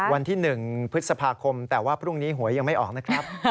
วันที่๑พฤษภาคมแต่ว่าพรุ่งนี้หวยยังไม่ออกนะครับ